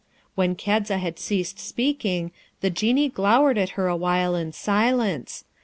When Kadza had ceased speaking, the Genie glowered at her awhile in silence.